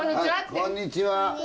こんにちは。